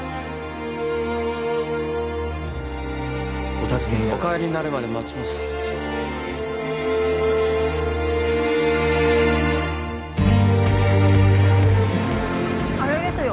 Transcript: お尋ねにお帰りになるまで待ちますあれですよ